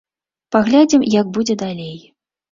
Паглядзім, як будзе далей.